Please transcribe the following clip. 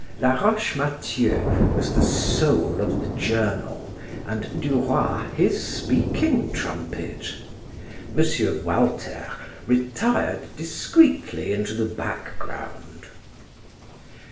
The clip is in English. Laroche Mathieu was the soul of the journal and Du Roy his speaking trumpet. M. Walter retired discreetly into the background.